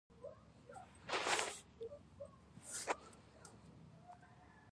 افغانستان د سیلابونه له مخې پېژندل کېږي.